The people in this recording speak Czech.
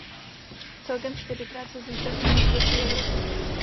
Celkem čtyřikrát se zúčastnil mistrovství Evropy.